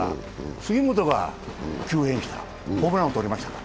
杉本が救援した、ホームランをとりました。